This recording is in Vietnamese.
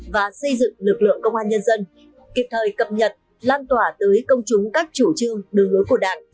và xây dựng lực lượng công an nhân dân kịp thời cập nhật lan tỏa tới công chúng các chủ trương đường lối của đảng